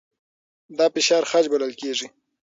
دا فشار خج بلل کېږي.